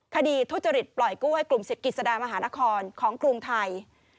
ทุจริตปล่อยกู้ให้กลุ่มศิษกิจสดามหานครของกรุงไทย